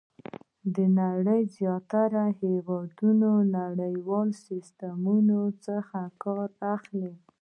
د نړۍ زیاتره هېوادونه له نړیوالو سیسټمونو څخه کار اخلي.